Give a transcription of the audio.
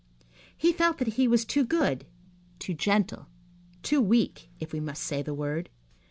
He felt that he was too good, too gentle, too weak, if we must say the word.